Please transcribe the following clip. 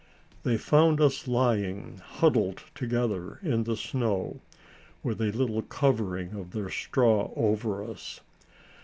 They found us lying, huddled together in the snow, with a little covering of their straw over us.